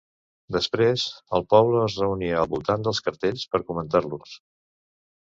Després, el poble es reunia al voltant dels cartells per comentar-los.